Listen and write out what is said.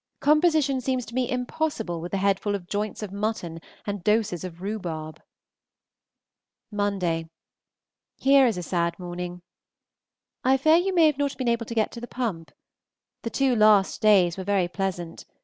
Composition seems to me impossible with a head full of joints of mutton and doses of rhubarb. Monday. Here is a sad morning. I fear you may not have been able to get to the Pump. The two last days were very pleasant.